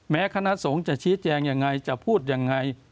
แม้คณะสงฆ์จะชี้แจงอย่างไรจะพูดอย่างไร